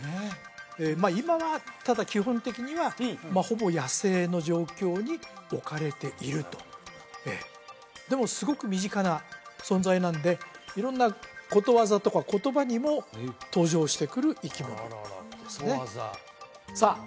まあ今はただ基本的にはほぼ野生の状況に置かれているとええでもすごく身近な存在なんで色んなことわざとか言葉にも登場してくる生き物ですねさあ